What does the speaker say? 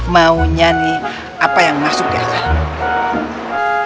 maunya nih apa yang masuk ya kak